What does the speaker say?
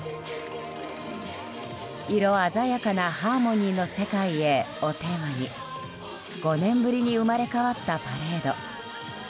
「色鮮やかなハーモニーの世界へ」をテーマに５年ぶりに生まれ変わったパレード。